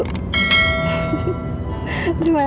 terima kasih ya sayang